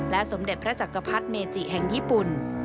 สมเด็จพระจักรพรรดิเมจิแห่งญี่ปุ่น